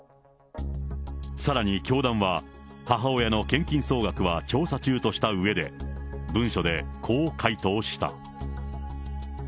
さらに教団は、母親の献金総額は調査中としたうえで、文書でこう回答した。